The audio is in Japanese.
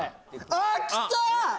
あっ来た！